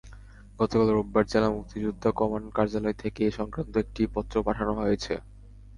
গতকাল রোববার জেলা মুক্তিযোদ্ধা কমান্ড কার্যালয় থেকে এ-সংক্রান্ত একটি পত্র পাঠানো হয়েছে।